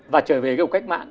và trở về cái cuộc cách mạng